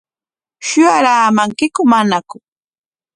¿Shuyaraamankiku manaku?